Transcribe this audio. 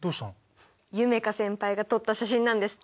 夢叶先輩が撮った写真なんですって。